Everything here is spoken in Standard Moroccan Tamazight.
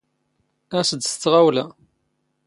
ⴰⵙ ⴷ ⵙ ⵜⵖⴰⵡⵍⴰ.